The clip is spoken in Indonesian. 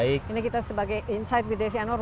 ini kita sebagai insight with desi anwar